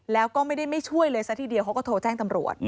แล้วก็ไม่ได้ไม่ช่วยเลยซะทีเดียวเขาก็โทรแจ้งตำรวจ